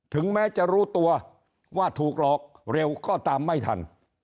ถึงแม้จะรู้ตัวว่าถูกหลอกเร็วก็ตามไม่ทัน